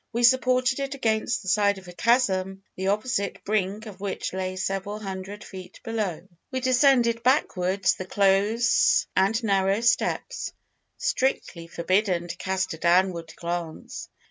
We supported it against the side of a chasm, the opposite brink of which lay several hundred feet below. We descended backwards the close and narrow steps, strictly forbidden to cast a downward glance.